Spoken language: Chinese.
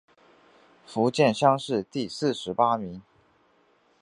福建乡试第四十八名。